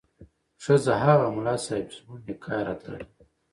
ښځه: هغه ملا صیب چې زموږ نکاح یې راتړلې وه